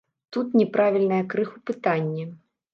Тут няправільнае крыху пытанне.